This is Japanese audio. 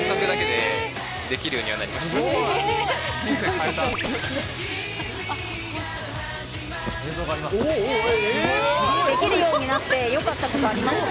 できるようになってよかったことありますか？